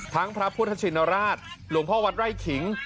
พระพุทธชินราชหลวงพ่อวัดไร่ขิง